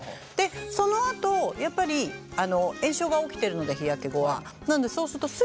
そのあとやっぱり炎症が起きてるので日焼け後は。